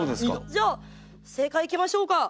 じゃあ正解いきましょうか。